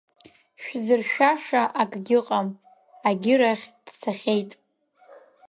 Шәзыршәаша акагьы ыҟам агьырахьҟа дцахьеит!